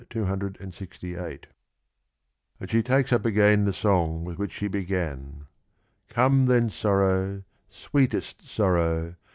268) 72 unrortunate And she takes up again the song with which she began : Come then, Sorrow ! Sweetest Sorrow